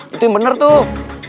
itu yang bener tuh